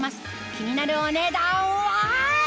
気になるお値段は？